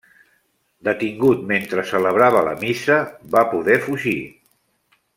Detingut mentre celebrava la missa, va poder fugir.